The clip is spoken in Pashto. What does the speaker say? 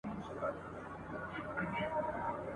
بد مرغۍ وي هغه ورځ وطن وهلی !.